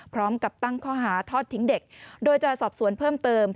พร้อมกับตั้งข้อหาทอดทิ้งเด็กโดยจะสอบสวนเพิ่มเติม